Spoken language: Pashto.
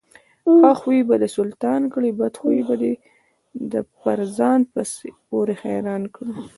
ښه خوى به دسلطان کړي، بدخوى به دپرځان پورې حيران کړي.